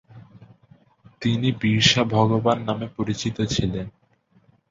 তিনি বিরসা ভগবান নামে পরিচিত ছিলেন।